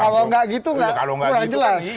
kalau nggak gitu kurang jelas